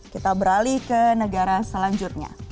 kita beralih ke negara selanjutnya